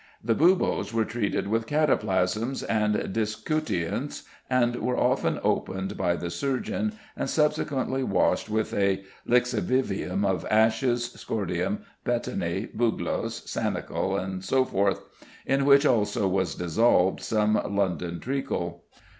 The buboes were treated with cataplasms and discutients, and were often opened by the surgeon and subsequently washed with a "Lixivium of ashes, scordium, betony, bugloss, sanicle," &c., in which also was dissolved some London treacle.